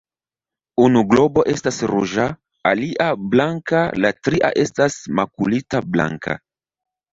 Unu globo estas ruĝa, alia blanka la tria estas makulita blanka.